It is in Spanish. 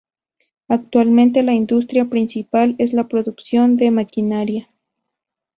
Actualmente la industria principal es la producción de maquinaria.